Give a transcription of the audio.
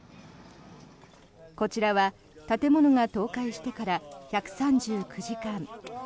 こちらは建物が倒壊してから１３９時間。